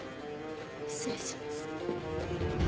失礼します。